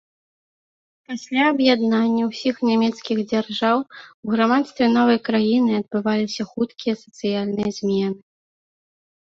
Пасля аб'яднання ўсіх нямецкіх дзяржаў, у грамадстве новай краіны адбываліся хуткія сацыяльныя змены.